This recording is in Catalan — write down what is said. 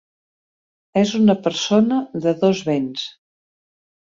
És una persona de dos vents.